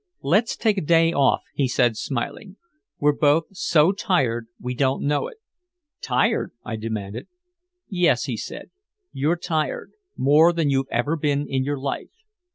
"Let's take a day off," he said, smiling. "We're both so tired we don't know it." "Tired?" I demanded. "Yes," he said, "you're tired more than you've ever been in your life.